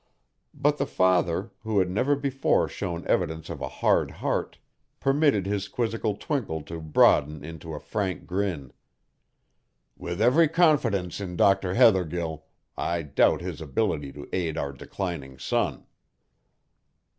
But the father, who had never before shown evidence of a hard heart, permitted his quizzical twinkle to broaden into a frank grin, "With every confidence in Dr. Heathergill, I doubt his ability to aid our declining son."